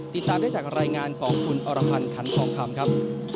ติดตามได้จากรายงานของคุณอรพันธ์ขันทองคำครับ